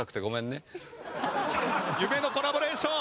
夢のコラボレーション！